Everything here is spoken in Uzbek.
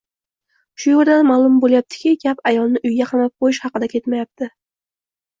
Shu yerdan ma’lum bo‘lyaptiki, gap «ayolni uyga qamab qo‘yish» haqida ketmayapti